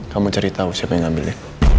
kamu cari tahu siapa yang ngambilnya